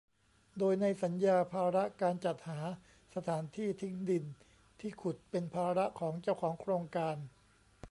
โดยในสัญญาภาระการจัดหาสถานที่ทิ้งดินที่ขุดเป็นภาระของเจ้าของโครงการ